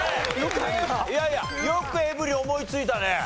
いやいやよくエブリン思いついたね。